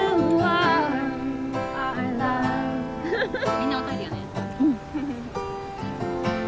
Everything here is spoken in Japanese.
みんな歌えるよね。